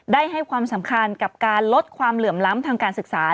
ให้ความสำคัญกับการลดความเหลื่อมล้ำทางการศึกษา